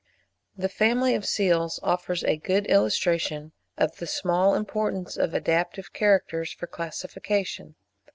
The family of Seals offers a good illustration of the small importance of adaptive characters for classification.